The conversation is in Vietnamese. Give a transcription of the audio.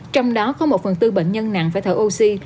trong đó có một phần tư bệnh nhân nặng phải thở oxy